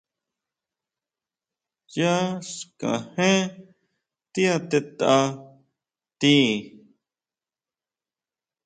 Yá xkajén ti atetʼa tíi.